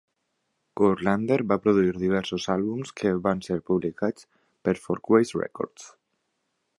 Courlander va produir diversos àlbums que van ser publicats per Folkways Records.